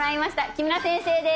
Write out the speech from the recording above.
木村先生です。